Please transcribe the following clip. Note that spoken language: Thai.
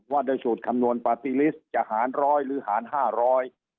ว่าในสูตรคำนวณปาร์ตี้ลิสต์จะหารร้อยหรือหารห้าร้อย